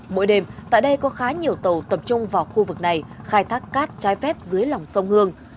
mỗi đêm tại đây có khá nhiều tàu tập trung vào khu vực này khai thác cát trái phép dưới lòng sông hương